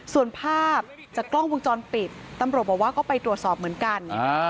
ส่วนภาพจากกล้องวงจรปิดตำรวจบอกว่าก็ไปตรวจสอบเหมือนกัน